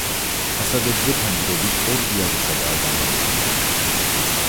ფასადებზე ფანჯრები ორ იარუსადაა განლაგებული.